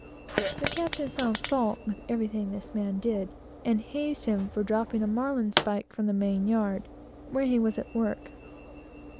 The captain found fault with everything this man did, and hazed him for dropping a marline spike from the main yard, where he was at work.